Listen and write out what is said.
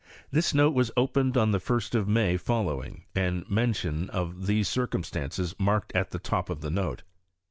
Thift note was opened oa the 1st of Mar PAlammc:, and mention of these circimistanGes marked at the top of the note.